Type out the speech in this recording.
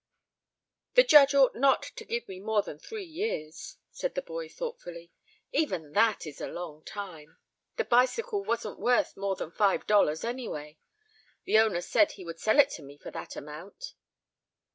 "The judge ought not to give me more than three years," said the boy thoughtfully, "even that is a long time.... The bicycle wasn't worth more than five dollars any way. The owner said he would sell it to me for that amount."